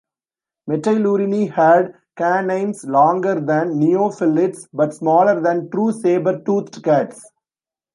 Metailurini had canines longer than neofelids, but smaller than true saber toothed cats.